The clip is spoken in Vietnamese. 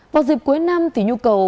vào dịp cuối năm thì nhu cầu